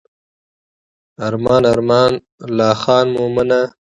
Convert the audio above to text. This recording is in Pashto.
ارمان ارمان لا خان مومنه.